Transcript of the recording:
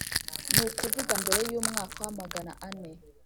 ni ukuvuga mbere y'umwaka wa Magana ane